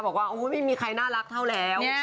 บอกว่าไม่มีใครน่ารักเท่าแล้ว